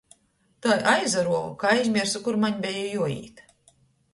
Tai aizaruovu, ka aizmiersu, kur maņ beja juoīt.